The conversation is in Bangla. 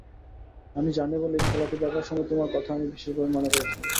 আমি জানি বলেই খেলাটি দেখার সময় তোমার কথা আমি বিশেষভাবে মনে করেছি।